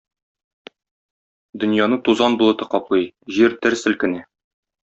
Дөньяны тузан болыты каплый, җир дер селкенә.